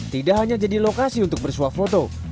tidak hanya jadi lokasi untuk bersuap foto